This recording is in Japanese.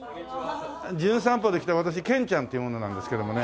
『じゅん散歩』で来た私けんちゃんっていう者なんですけどもね。